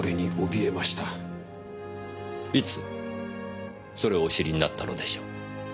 いつそれをお知りになったのでしょう？